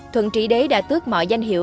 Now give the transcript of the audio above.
thuận trị đế đã tước mọi danh hiệu